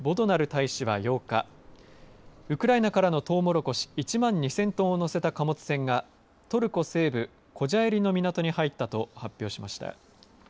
大使は８日ウクライナからのトウモロコシ１万２０００トンを載せた貨物船がトルコ西部コジャエリの港に入ったと発表しました。